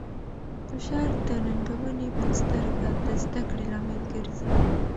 فشار د ننګونې په سترګه د زده کړې لامل ګرځي.